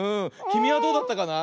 きみはどうだったかな？